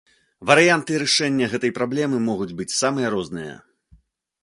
Варыянты рашэння гэтай праблемы могуць быць самыя розныя.